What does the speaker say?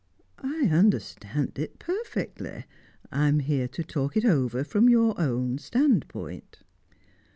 "I understand it perfectly. I am here to talk it over from your own standpoint."